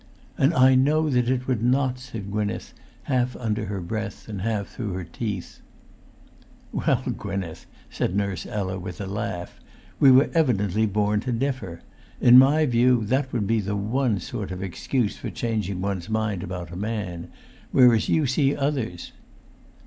"And I know that it would not," said Gwynneth, half under her breath and half through her teeth. [Pg 360]"Well, Gwynneth," said Nurse Ella, with a laugh, "we were evidently born to differ. In my view that would be the one sort of excuse for changing one's mind about a man—whereas you see others!"